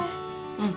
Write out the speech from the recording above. うん。